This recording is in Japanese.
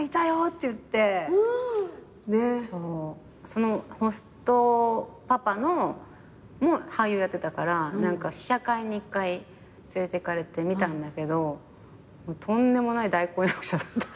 そのホストパパも俳優やってたから試写会に一回連れてかれて見たんだけどとんでもない大根役者だった。